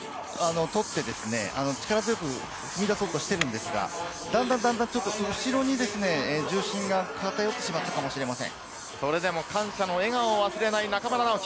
低いコンディションを取って、力強く踏み出そうとしてるんですが、だんだんだんだん、後ろに重心が偏ってしまったかもしれません。